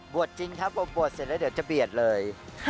จริงครับบวชเสร็จแล้วเดี๋ยวจะเบียดเลย